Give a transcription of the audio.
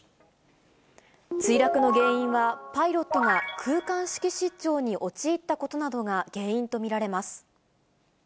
墜落の原因は、パイロットが空間識失調に陥ったことなどが原因と見られます。